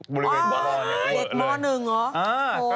อ๋อเด็กม้อนึงเหรอ